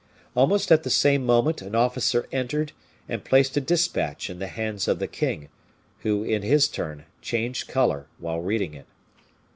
Almost at the same moment an officer entered and placed a dispatch in the hands of the king, who, in his turn, changed color, while reading it.